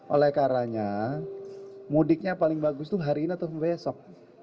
oleh karanya mudiknya paling bagus itu hari ini atau besok